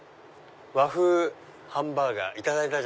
和風ハンバーガーいただいた。